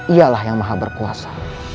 ialah yang maha berkuasa